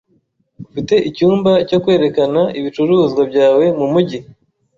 Ufite icyumba cyo kwerekana ibicuruzwa byawe mumujyi?